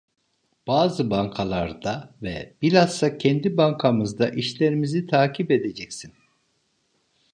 Bazı bankalarda ve bilhassa kendi bankamızda işlerimizi takip edeceksin…